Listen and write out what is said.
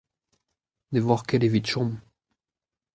ne voc'h ket evit chom.